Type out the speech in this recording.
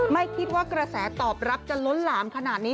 ไม่คิดว่ากระแสตอบรับจะล้นหลามขนาดนี้